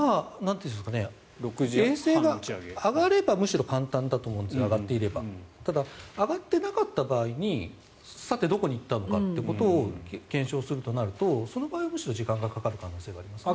衛星が上がっていればむしろ簡単だと思うんですがただ、上がってなかった場合にさて、どこに行ったのかということを検証するとなるとその場合はむしろ時間がかかる可能性はありますね。